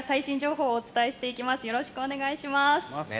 よろしくお願いします。